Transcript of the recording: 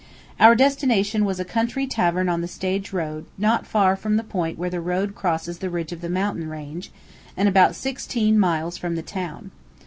Our destination was a country tavern on the stage road, not far from the point where the road crosses the ridge of the mountain range, and about sixteen miles from the town.